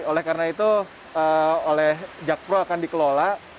oleh karena itu oleh jakpro akan dikelola